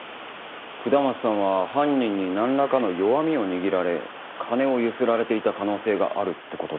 下松さんは犯人になんらかの弱みを握られ金をゆすられていた可能性があるって事ですか？